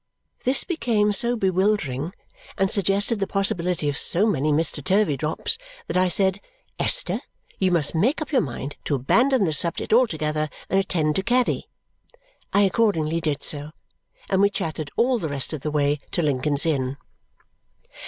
This became so bewildering and suggested the possibility of so many Mr. Turveydrops that I said, "Esther, you must make up your mind to abandon this subject altogether and attend to Caddy." I accordingly did so, and we chatted all the rest of the way to Lincoln's Inn.